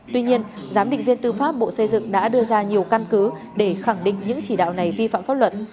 tuy nhiên giám định viên tư pháp bộ xây dựng đã đưa ra nhiều căn cứ để khẳng định những chỉ đạo này vi phạm pháp luật